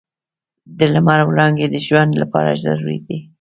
د لمر وړانګې د ژوند لپاره ضروري دي.